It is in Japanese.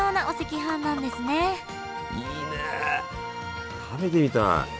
いいね食べてみたい。